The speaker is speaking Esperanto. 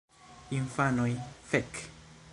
Infanoj: "Fek!"